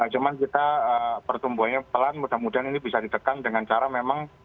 cuman kita pertumbuhannya pelan mudah mudahan ini bisa ditekan dengan cara memang